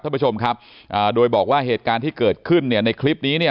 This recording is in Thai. ท่านผู้ชมครับโดยบอกว่าเหตุการณ์ที่เกิดขึ้นในคลิปนี้